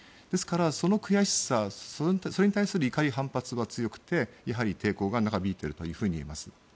ですから、その悔しさそれに対する怒り、反発が強くてやはり抵抗が長引いているといいます。